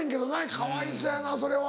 かわいそうやなそれは。